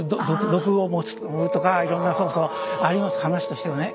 毒を盛るとかいろんなそうそうあります話としてはね。